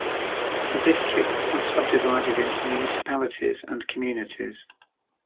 The districts are subdivided into municipalities and communities.